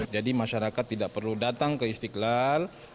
jadi masyarakat tidak perlu datang ke istiqlal